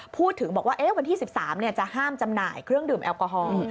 พูดถึงบอกว่าวันที่๑๓จะห้ามจำหน่ายเครื่องดื่มแอลกอฮอล์